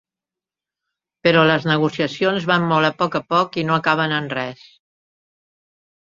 Però les negociacions van molt a poc a poc i no acaben en res.